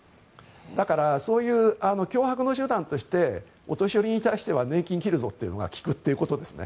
だからそういう脅迫の手段としてお年寄りに対しては年金を切るぞというのが効くということですね。